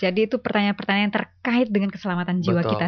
jadi itu pertanyaan pertanyaan yang terkait dengan keselamatan jiwa kita